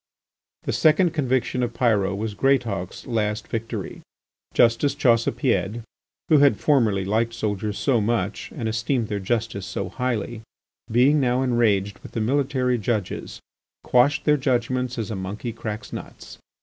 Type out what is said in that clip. The second conviction of Pyrot was Greatauk's last victory. Justice Chaussepied, who had formerly liked soldiers so much, and esteemed their justice so highly, being now enraged with the military judges, quashed their judgments as a monkey cracks nuts.